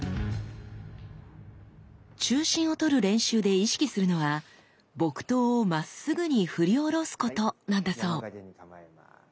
中心をとる練習で意識するのは木刀をまっすぐに振り下ろすことなんだそう。